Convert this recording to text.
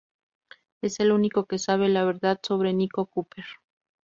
Es el único que sabe la verdad sobre Nico Cooper.